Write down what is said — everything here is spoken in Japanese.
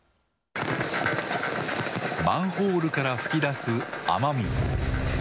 マンホールから噴き出す雨水。